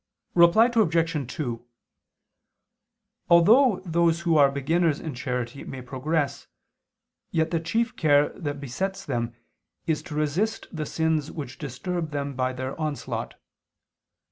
Reply Obj. 2: Although those who are beginners in charity may progress, yet the chief care that besets them is to resist the sins which disturb them by their onslaught.